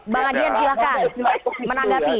bang adrian silakan menanggapi